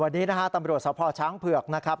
วันนี้ตำรวจหภองชังเหลือเผือกนะครับ